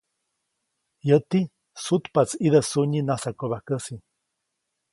Yäti sutpaʼtsi ʼidä sunyi najsakobajkäsi.